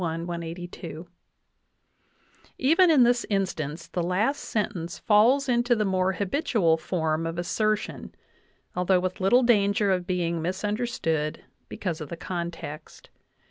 ^Even in this in stance the last sentence falls into the more 'habitual form of assertion, although with little danger of being misunderstood because of the context.